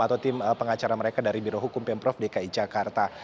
atau tim pengacara mereka dari birohukum pemprov dki jakarta